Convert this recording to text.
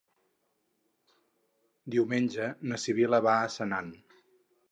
Diumenge na Sibil·la va a Senan.